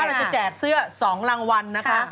เราจะแจกเสื้อ๒รางวัลนะคะ